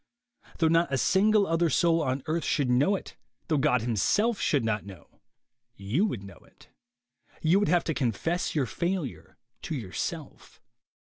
Though not a single other soul on earth should know it, though God himself should not know, you would know it. Y'ou would have to confess your failure to your self.